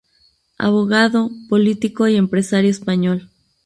Abogado, político y empresario español.